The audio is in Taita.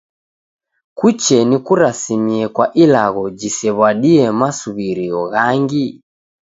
Kuche nikurasimie kwa ilagho jisew'adie masuw'irio ghangi?